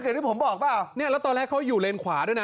อย่างที่ผมบอกเปล่าเนี่ยแล้วตอนแรกเขาอยู่เลนขวาด้วยนะ